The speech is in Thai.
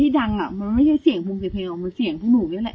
พี่ดังอ่ะมันไม่ใช่เสียงภูมิเสียเพลงอ่ะมันเสียงพวกหนูอยู่แล้วแหละ